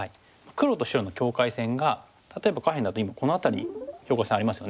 黒と白の境界線が例えば下辺だと今この辺りに境界線ありますよね。